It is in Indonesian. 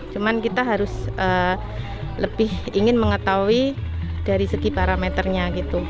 cuma kita harus lebih ingin mengetahui dari segi parameternya